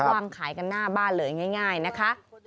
วางขายกันหน้าบ้านเลยง่ายนะคะ